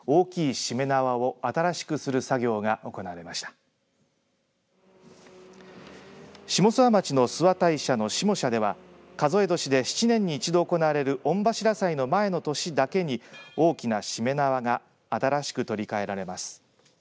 下諏訪町の諏訪大社の下社では数え年で７年に１度行われる御柱祭の前の年だけに大きなしめ縄が新しく取り替えられます。